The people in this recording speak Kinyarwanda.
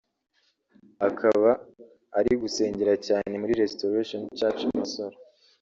akaba ari gusengera cyane muri Restoration church Masoro